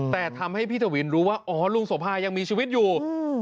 แต่ทำให้พี่ทวินรู้ว่าอ๋อลุงโสภายังมีชีวิตอยู่